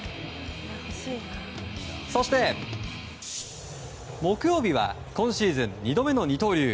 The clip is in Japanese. そして木曜日は今シーズン２度目の二刀流。